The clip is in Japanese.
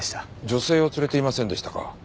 女性を連れていませんでしたか？